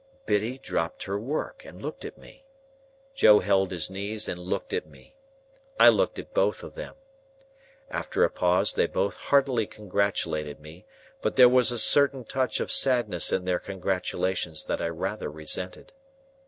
Biddy dropped her work, and looked at me. Joe held his knees and looked at me. I looked at both of them. After a pause, they both heartily congratulated me; but there was a certain touch of sadness in their congratulations that I rather resented.